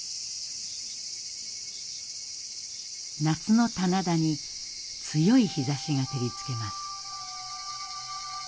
夏の棚田に強い日ざしが照りつけます。